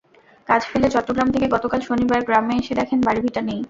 কাজ ফেলে চট্টগ্রাম থেকে গতকাল শনিবার গ্রামে এসে দেখেন বাড়ি-ভিটা নেই।